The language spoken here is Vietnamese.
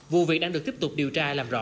vụ việc đang được tiếp tục điều tra làm rõ